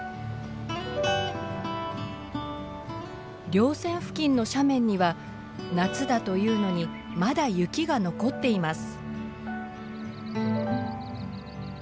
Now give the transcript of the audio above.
稜線付近の斜面には夏だというのにまだ雪が残っています。